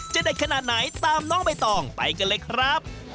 เด็ดขนาดไหนตามน้องใบตองไปกันเลยครับ